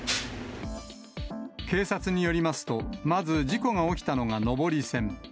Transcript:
警察によりますと、まず事故が起きたのが上り線。